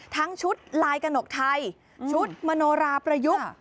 ทั้งชุดลายกระหนกไทยชุดมโนราประยุกต์